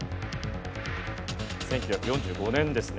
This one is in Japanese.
１９４５年ですね。